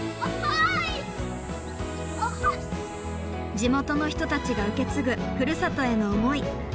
地元の人たちが受け継ぐふるさとへの思い。